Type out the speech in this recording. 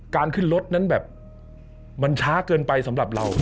ขึ้นรถนั้นแบบมันช้าเกินไปสำหรับเรา